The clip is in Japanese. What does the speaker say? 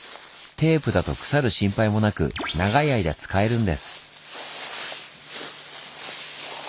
テープだと腐る心配もなく長い間使えるんです。